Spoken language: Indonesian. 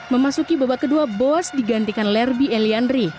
memasuki babak kedua bos digantikan lerby eliandri